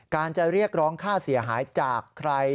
การจะเรียกร้องค่าเสียหายจากใคร